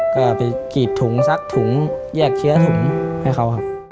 ก็ไปกรีดถุงซักถุงแยกเชื้อถุงให้เขาครับ